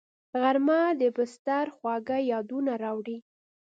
غرمه د بستر خواږه یادونه راوړي